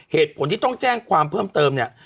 เหตุผลที่ต้องแจ้งความเพิ่มเติมเนี่ย